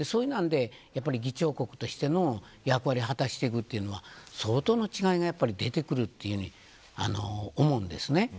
議長国としての役割を果たしていくというのは相当な違いが出てくるというふうに思うんです。